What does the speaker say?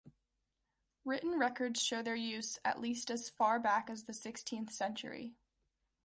Written records show their use at least as far back as the sixteenth century.